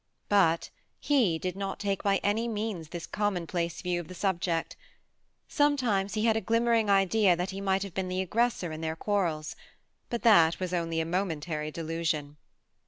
But he did not take by any means this commonplace view of the sub ject : sometimes he had a glimmering idea that he might have been the aggressor in their quarrels ; but that was only a momentary delusion.